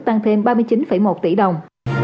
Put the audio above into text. tăng thêm ba mươi chín một tỷ đồng